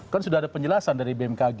kan sudah ada penjelasan dari bmkg